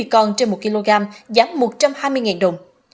hai mươi con trên một kg giá một trăm hai mươi đồng